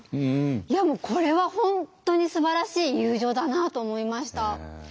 いやこれは本当にすばらしい友情だなと思いました。